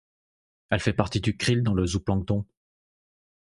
Elle fait partie du krill dans le zooplancton.